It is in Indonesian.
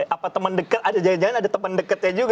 apa temen deket jangan jangan ada temen deketnya juga nih